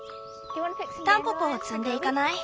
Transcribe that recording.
タンポポを摘んでいかない？